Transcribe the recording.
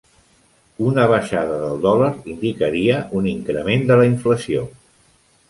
Una baixada del dòlar indicaria un increment de la inflació.